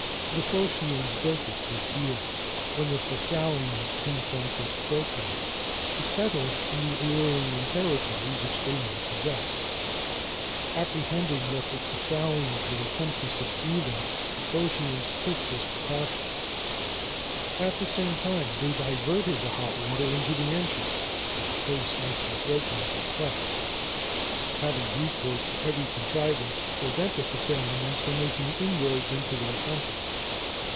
The Phocians built it through fear, when the Thessalians came from Thesprotia to settle in the Æolian territory which they now possess: apprehending that the Thessalians would attempt to subdue them, the Phocians took this precaution; at the same time, they diverted the hot water into the entrance, that the place might be broken into clefts, having recourse to every contrivance to prevent the Thessalians from making inroads into their country.